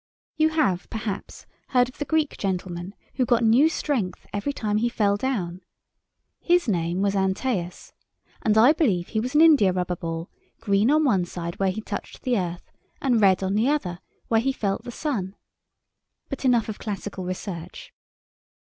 You have, perhaps, heard of the Greek gentleman who got new strength every time he fell down. His name was Antæus, and I believe he was an india rubber ball, green on one side where he touched the earth, and red on the other where he felt the sun. But enough of classical research.